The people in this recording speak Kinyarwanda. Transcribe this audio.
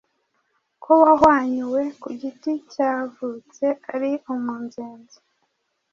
Ko wahwanyuwe ku giti cyavutse ari umunzenze,